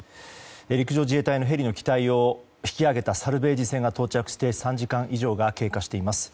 陸上自衛隊のヘリの機体を引き揚げたサルベージ船が到着して３時間以上が経過しています。